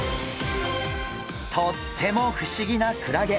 とっても不思議なクラゲ。